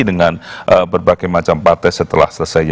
dengan berbagai macam partai setelah selesai